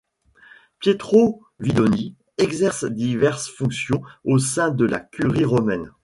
Pietro Vidoni exerce diverses fonctions au sein de la Curie romaine.